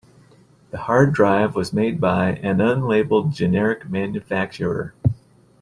The hard drive was made by an unlabeled generic manufacturer.